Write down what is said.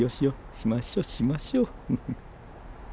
しましょしましょ。